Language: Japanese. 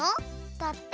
だって。